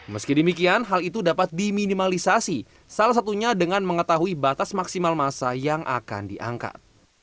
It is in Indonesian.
meski demikian hal itu dapat diminimalisasi salah satunya dengan mengetahui batas maksimal masa yang akan diangkat